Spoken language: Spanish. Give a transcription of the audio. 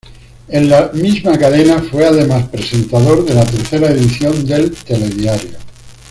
En la misma cadena fue además presentador de la tercera edición del "Telediario".